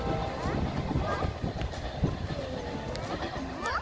「もっ？